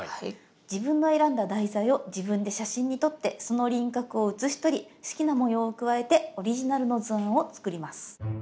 自分の選んだ題材を自分で写真に撮ってその輪郭を写しとり好きな模様を加えてオリジナルの図案を作ります。